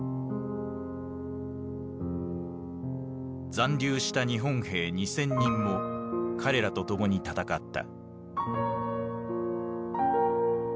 残留した日本兵２，０００人も彼らと共に戦った。